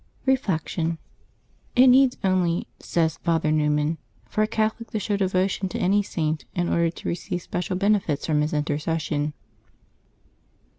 Reflection. — ^^It needs only,'' says Father Newman, " for a Catholic to show devotion to any Saint, in order to receive special benefits from his intercession.''